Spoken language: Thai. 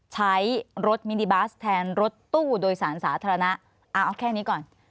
ใช้รถมินิบัสแทนรถตู้โดยสารสาธารณะเอาแค่นี้ก่อน